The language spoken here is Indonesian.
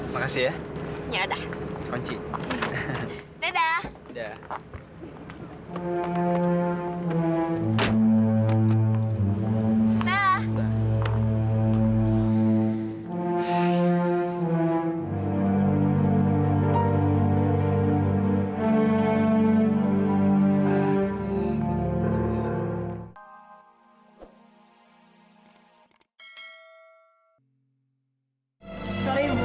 terima kasih ya